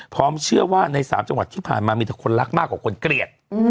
พร้อมเชื่อว่าใน๓จังหวัดที่ผ่านมามีแต่คนรักมากกว่าคนเกลียด